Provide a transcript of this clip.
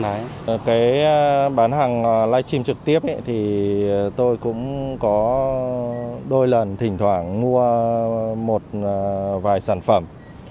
cái bán hàng livestream trực tiếp thì tôi cũng có đôi lần thỉnh thoảng mua một vài sản phẩm